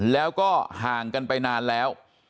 แล้วก็ห่างกันไปนานแล้ว